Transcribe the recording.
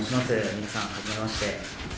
皆さん、はじめまして。